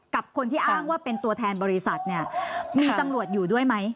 กับคนที่อ้างว่าเป็นตัวแทนบริษัทเนี่ยมีตำรวจอยู่ด้วยไหม